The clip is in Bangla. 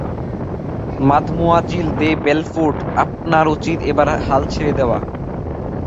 মাদমোয়াজিল ডে বেলফোর্ট, আপনার উচিৎ এবার হাল ছেড়ে দেওয়া।